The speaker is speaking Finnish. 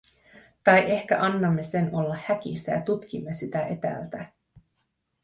Tai ehkä annamme sen olla häkissä ja tutkimme sitä etäältä.